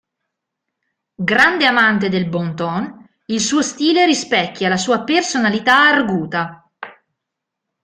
Grande amante del bon ton, il suo stile rispecchia la sua personalità arguta.